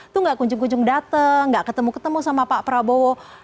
tuh gak kunjung kunjung datang nggak ketemu ketemu sama pak prabowo